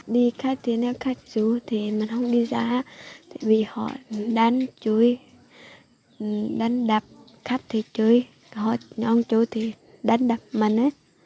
đi khách thì nếu khách rủ thì mình không đi ra vì họ đánh chúi đánh đập khách thì chúi họ chúi thì đánh đập mình